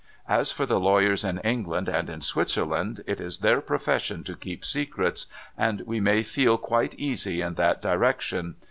As for the lawyers in England and in Switzerland, it is their profession to keep secrets — and we may feel quite easy in that direction.